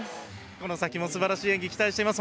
この先も素晴らしい演技を期待しています。